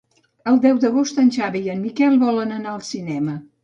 El deu d'agost en Xavi i en Miquel volen anar al cinema.